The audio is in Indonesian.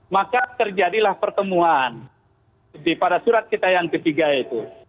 maka terjadilah pertemuan pada surat kita yang ketiga itu